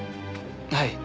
はい。